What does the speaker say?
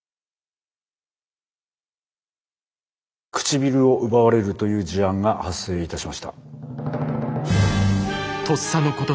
唇を奪われるという事案が発生いたしました。